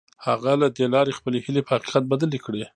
هغه له دې لارې خپلې هيلې په حقيقت بدلې کړې.